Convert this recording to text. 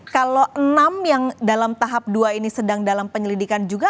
kalau enam yang dalam tahap dua ini sedang dalam penyelidikan juga